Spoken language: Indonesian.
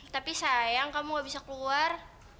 tapi sayang kamu gak bisa keluar